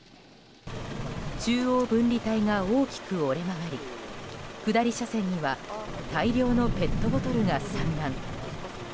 中央分離帯が大きく折れ曲がり下り車線には大量のペットボトルが散乱。